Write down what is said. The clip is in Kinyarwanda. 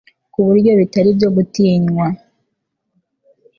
ku buryo bitari ibyo gutinywa,